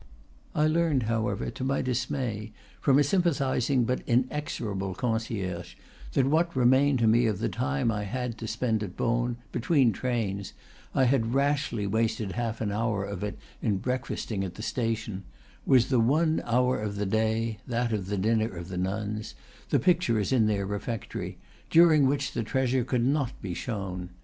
I learned, however, to my dismay, from a sympa thizing but inexorable concierge, that what remained to me of the time I had to spend at Beaune, between trains, I had rashly wasted half an hour of it in breakfasting at the station, was the one hour of the day (that of the dinner of the nuns; the picture is in their refectory) during which the treasure could not be shown.